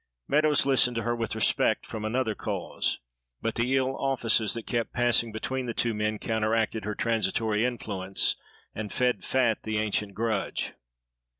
Meadows listened to her with respect from another cause; but the ill offices that kept passing between the two men counteracted her transitory influence and fed fat the ancient grudge.